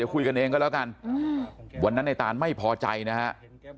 คุยกันเองก็แล้วกันวันนั้นในตานไม่พอใจนะครับ